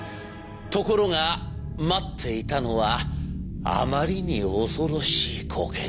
ところが待っていたのはあまりに恐ろしい光景でした。